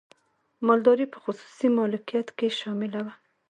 مالداري په خصوصي مالکیت کې شامله وه.